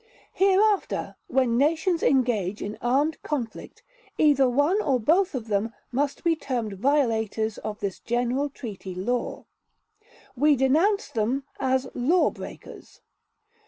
Hereafter, when nations engage in armed conflict, either one or both of them must be termed violators of this general treaty law .... We denounce them as law breakers."